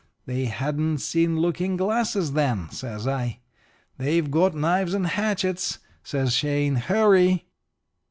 "'They hadn't seen looking glasses then,' says I. "'They've got knives and hatchets,' says Shane; 'hurry!'